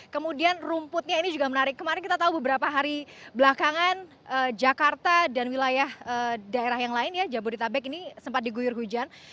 kemudian rumputnya ini juga menarik kemarin kita tahu beberapa hari belakangan jakarta dan wilayah daerah yang lain ya jabodetabek ini sempat diguyur hujan